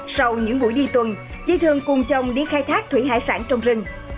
sau những buổi đi tuần chị thường cùng chồng đi khai thác thủy hải sản trong rừng